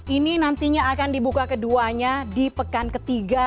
ini nantinya akan dibuka keduanya di pekan ketiga